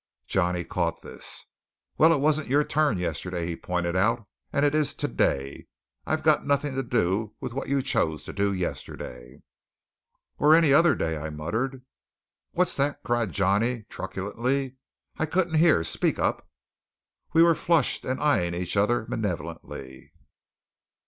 Johnny caught this. "Well, it wasn't your turn yesterday," he pointed out, "and it is to day. I've got nothing to do with what you chose to do yesterday." "Or any other day," I muttered. "What's that?" cried Johnny truculently. "I couldn't hear. Speak up!" We were flushed, and eying each other malevolently.